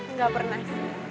nggak pernah sih